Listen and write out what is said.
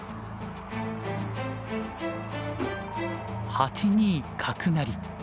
８二角成。